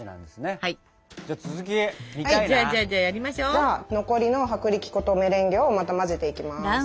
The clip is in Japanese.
じゃあ残りの薄力粉とメレンゲをまた混ぜていきます。